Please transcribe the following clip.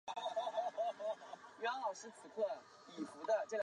科克城则代表北爱尔兰。